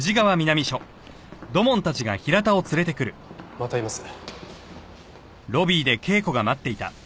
またいます。